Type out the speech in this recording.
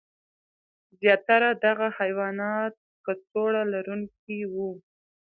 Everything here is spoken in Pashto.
زیاتره دغه حیوانات کڅوړه لرونکي وو.